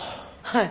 はい。